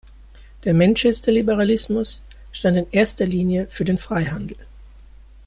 Der Manchesterliberalismus stand in erster Linie für den Freihandel.